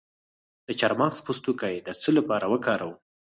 د چارمغز پوستکی د څه لپاره وکاروم؟